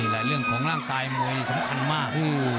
เรื่องของร่างกายประโยชน์สำคัญมาก